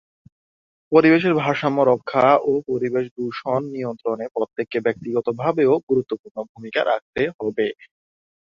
পরিবেশের ভারসাম্য রক্ষা ও পরিবেশ দূষণ নিয়ন্ত্রণে প্রত্যেককে ব্যক্তিগতভাবেও গুরুত্বপূর্ণ ভূমিকা রাখতে হবে।